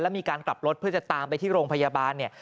มีการกลับรถเพื่อจะตามไปที่โรงพยาบาลเนี่ย